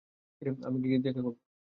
আমি গিয়ে দেখা করব।